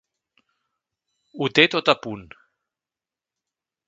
Ho té tot a punt.